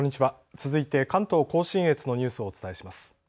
続いて関東甲信越のニュースをお伝えします。